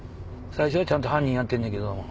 最初はちゃんと犯人やってんねんけど。